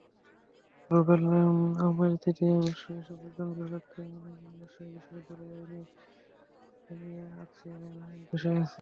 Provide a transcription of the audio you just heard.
রুবেল আহম্মেদতৃতীয় বর্ষ, হিসাববিজ্ঞান বিভাগ, রাজশাহী বিশ্ববিদ্যালয়ই-আইনি সহায়তা নিয়ে আসছিআইন পেশায় আছি।